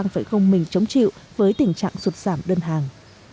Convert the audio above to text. phải không mình chống chịu với tình trạng sụt giảm đơn hàng